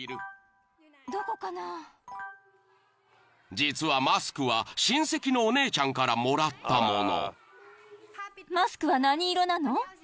［実はマスクは親戚のお姉ちゃんからもらったもの］